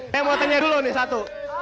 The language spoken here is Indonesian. saya mau tanya dulu nih satu